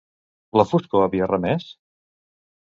La foscor havia remès?